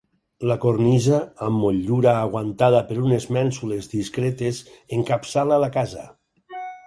La cornisa, amb motllura aguantada per unes mènsules discretes, encapçala la casa.